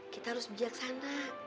kita harus bijaksana